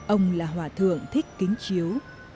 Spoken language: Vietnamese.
ông là hòa thượng thích kính chiếu